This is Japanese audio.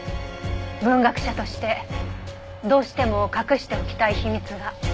文学者としてどうしても隠しておきたい秘密が。